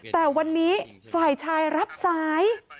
แต่วันนี้ฝ่ายชายรับสาย